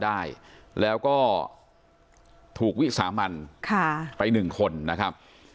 การจับได้แล้วก็ถูกวิสามันไป๑คนนะครับ